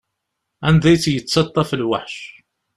Anda i tt-yettaṭṭaf lweḥc.